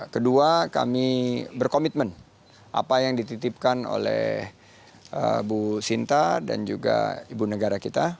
kedua kami berkomitmen apa yang dititipkan oleh bu sinta dan juga ibu negara kita